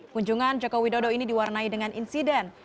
kunjungan joko widodo ini diwarnai dengan insiden